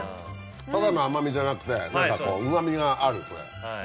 ただの甘みじゃなくて何かこううま味があるこれ。